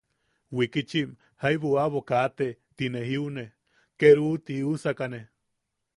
Wikichim jaibu aʼabo kaate ti te jiune, ke ¡ruu! ti jiusakane.